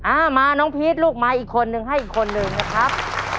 อ่ามาน้องพีชลูกมาอีกคนนึงให้อีกคนนึงนะครับ